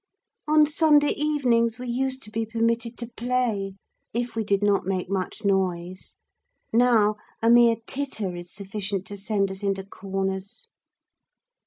On Sunday evenings we used to be permitted to play, if we did not make much noise; now a mere titter is sufficient to send us into corners.